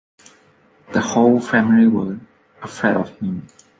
The whole family were afraid of him.